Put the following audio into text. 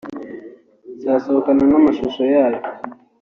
izasohokana n’amashusho yayo